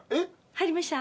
入りました？